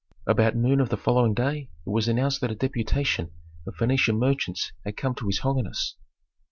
About noon of the following day it was announced that a deputation of Phœnician merchants had come to his holiness.